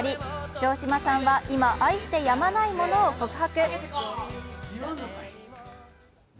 城島さんは今、愛してやまないものを告白。